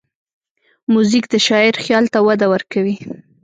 موزیک د شاعر خیال ته وده ورکوي.